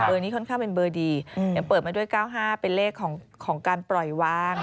นี้ค่อนข้างเป็นเบอร์ดียังเปิดมาด้วย๙๕เป็นเลขของการปล่อยวาง